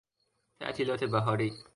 تعطیلات بهاری